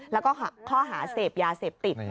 แล้วก็ข้อหาเสพยาเสพติด